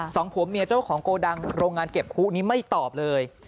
สองผัวเมียเจ้าของโกดังโรงงานเก็บคู่นี้ไม่ตอบเลย